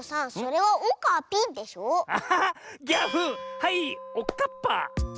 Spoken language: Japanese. はいおっかっぱ！